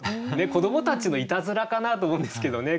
子どもたちのいたずらかなと思うんですけどね。